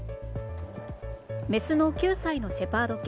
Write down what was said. メスの９歳のシェパード犬